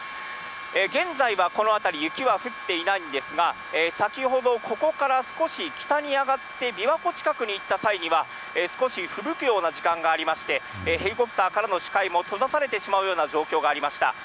現在はこの辺り、雪は降っていないんですが、先ほど、ここから少し北に上がって、びわ湖近くに行った際には、少しふぶくような時間がありまして、ヘリコプターからの視界も閉ざされてしまうような状況がありました。